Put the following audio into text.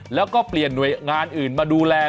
แล้วก็เปลี่ยนหน่วยงานอื่นมาดูแล